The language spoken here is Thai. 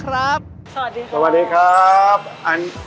เหรอคุยเตี๋ยวต้มยำที่เราตอบไข่ร่วม